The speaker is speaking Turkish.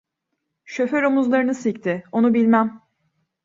Şoför omuzlarını silkti: "Onu bilmem…"